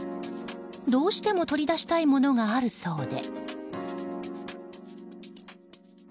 どうしても取り出したいものがあるそうで。